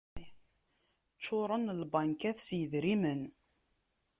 Ččuren lbankat s yidrimen.